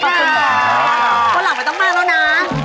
คนหลังไม่ต้องมาแล้วนะ